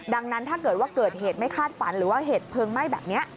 ดังนั้นถ้าเกิดว่าเกิดเหตุไม่คาดฝันหรือว่าเหตุเพลิงไหม้แบบนี้